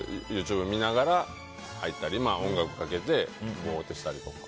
ＹｏｕＴｕｂｅ見ながら入ったり、音楽かけてぼーっとしたりとか。